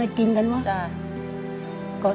รักขนาดไหนค่ะ